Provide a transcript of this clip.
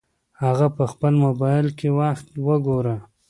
هغه په خپل موبایل کې وخت وګوره.